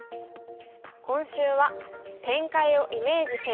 今週は「展開をイメージせよ」。